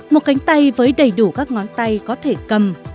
một cánh tay với đầy đủ các ngón tay có thể cầm